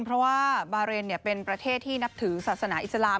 เพราะว่าบาเรนเป็นประเทศที่นับถือศาสนาอิสลาม